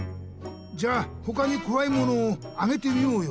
じゃあほかにこわいものをあげてみようよ。